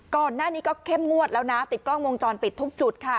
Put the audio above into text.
ก่อนหน้านี้ก็เข้มงวดแล้วนะติดกล้องวงจรปิดทุกจุดค่ะ